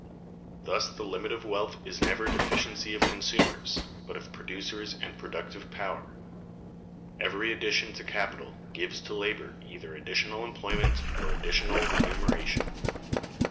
Thus the limit of wealth is never deficiency of consumers, but of producers and productive power. Every addition to capital gives to labor either additional employment or additional remuneration.